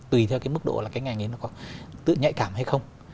tùy theo cái mức độ là cái ngành ấy nó có tự nhạy cảm hay không